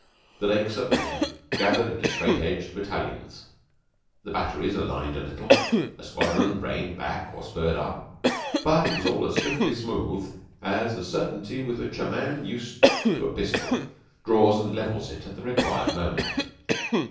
The lakes of men gathered into straight edged battalions; the batteries aligned a little; a squadron reined back or spurred up; but it was all as swiftly smooth as the certainty with which a man used to the pistol draws and levels it at the required moment.